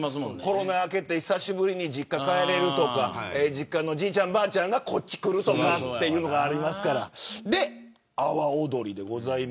コロナが明けて久しぶりに実家に帰れるとかじいちゃん、ばあちゃんがこっちに来るというのがありますからそれで阿波おどりです。